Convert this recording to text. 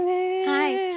はい。